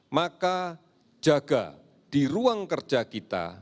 maka jaga di ruang kerja kita